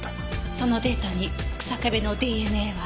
そのデータに日下部のＤＮＡは？